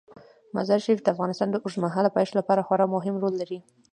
مزارشریف د افغانستان د اوږدمهاله پایښت لپاره خورا مهم رول لري.